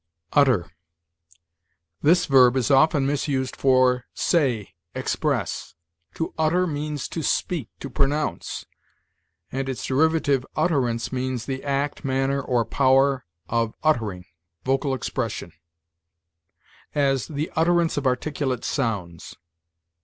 UTTER. This verb is often misused for say, express. To utter means to speak, to pronounce; and its derivative utterance means the act, manner, or power of uttering, vocal expression; as, "the utterance of articulate sounds."